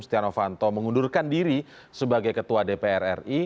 setia novanto mengundurkan diri sebagai ketua dpr ri